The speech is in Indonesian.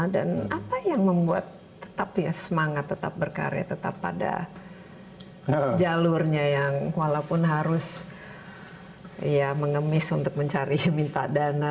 dan apa yang membuat tetap semangat tetap berkarya tetap pada jalurnya yang walaupun harus mengemis untuk mencari minta dana